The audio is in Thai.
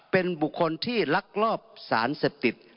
เป็นบุคคลที่ลักลอบสารเสพติด